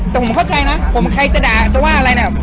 แต่ผมเข้าใจนะผมใครจะด่าจะว่าอะไรเนี่ย